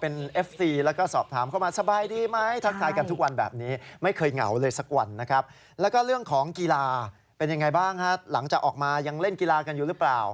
เป็นอย่างไรบ้างครับหลังจากออกมายังเล่นกีฬากันอยู่หรือเปล่า